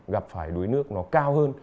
gặp phải đuối nước nó cao hơn